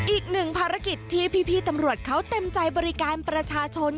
อีกหนึ่งภารกิจที่พี่ตำรวจเขาเต็มใจบริการประชาชน